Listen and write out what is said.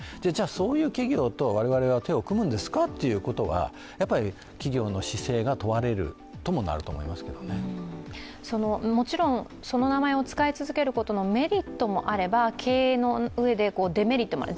そういう企業と我々は手を組むんですかということは企業の姿勢が問われることになると思うんですもちろん、その名前を使い続けることのメリットもあれば、経営の上でデメリットもある。